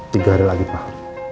tiga hari lagi pak